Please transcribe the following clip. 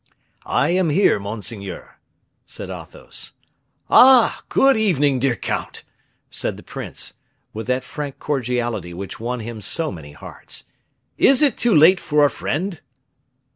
"I am here, monseigneur," said Athos. "Ah! good evening, dear count," said the prince, with that frank cordiality which won him so many hearts. "Is it too late for a friend?"